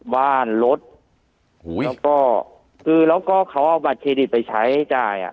บ้านรถแล้วก็เขาเอาบัตรเครดิตไปใช้ให้จ่าย